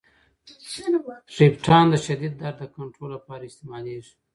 ټریپټان د شدید درد د کنترول لپاره استعمالیږي.